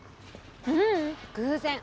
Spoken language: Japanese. ううん。偶然。